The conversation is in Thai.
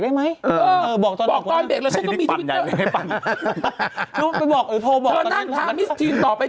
อ๋อไม่พี่หนุ่มก็แจ้อ่ะไงว่าคุณทศมัยก็ชอบมดดำ